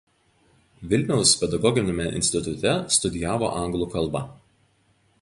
Vilniaus pedagoginiame institute studijavo anglų kalbą.